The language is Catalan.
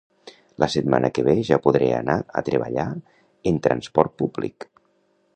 La setmana que ve ja podré anar a treballar en transport públic